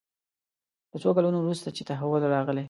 له څو کلونو وروسته چې تحول راغلی.